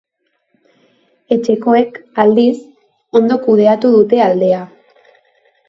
Etxekoek, aldiz, ondo kudeatu dute aldea.